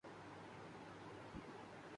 دھوبی کو کپڑے پکڑا او